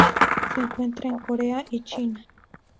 Se encuentra en Corea y China.